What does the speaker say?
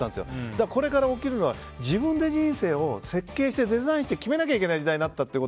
だから、これから起きるのは自分で人生を設計してデザインして決めないといけない時代になったという。